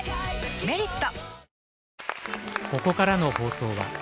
「メリット」